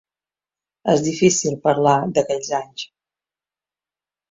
És difícil parlar d’aquells anys.